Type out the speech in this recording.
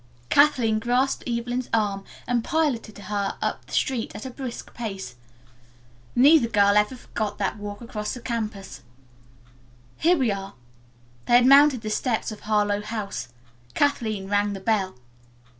Kathleen grasped Evelyn's arm and piloted her up the street at a brisk pace. Neither girl ever forgot that walk across the campus. "Here we are." They had mounted the steps of Harlowe House. Kathleen rang the bell.